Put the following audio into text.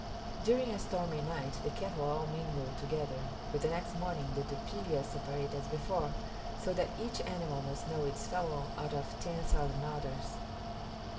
During a stormy night the cattle all mingle together; but the next morning the tropillas separate as before; so that each animal must know its fellow out of ten thousand others.